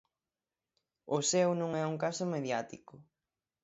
O seu non é un caso mediático.